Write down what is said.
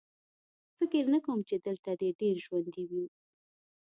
فکر نه کوم چې دلته دې ډېر ژوندي وو